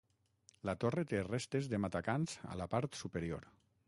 La torre té restes de matacans a la part superior.